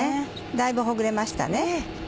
だいぶほぐれましたね。